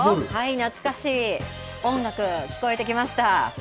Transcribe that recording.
懐かしい音楽、聴こえてきました。